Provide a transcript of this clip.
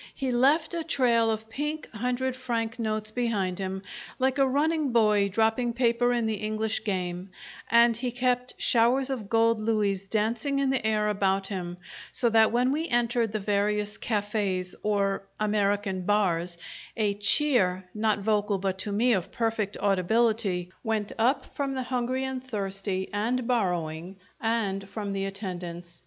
He left a trail of pink hundred franc notes behind him, like a running boy dropping paper in the English game; and he kept showers of gold louis dancing in the air about him, so that when we entered the various cafes or "American bars" a cheer (not vocal but to me of perfect audibility) went up from the hungry and thirsty and borrowing, and from the attendants.